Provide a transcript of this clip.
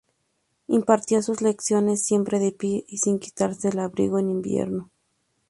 Impartía sus lecciones, siempre de pie y sin quitarse el abrigo en invierno".